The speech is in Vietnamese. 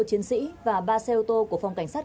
một chiến sĩ và ba xe ô tô của phòng cảnh sát